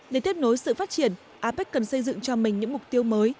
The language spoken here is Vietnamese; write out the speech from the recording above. để tiếp nối sự phát triển apec cần xây dựng cho mình những mục tiêu mới